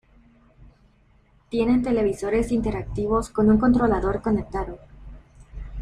Tienen televisores interactivos con un controlador conectado.